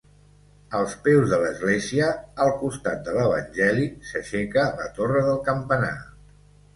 Als peus de l'església, al costat de l'evangeli, s'aixeca la torre del campanar.